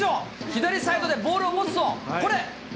左サイドでボールを持つと、これ。